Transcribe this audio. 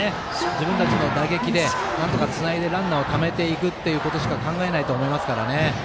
自分たちの打撃でなんとかつないでランナーをためていくっていうことしか考えないと思いますから。